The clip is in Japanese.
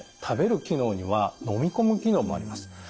食べる機能には飲み込む機能もあります。